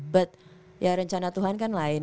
but ya rencana tuhan kan lain